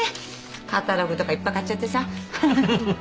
カタログとかいっぱい買っちゃってさ。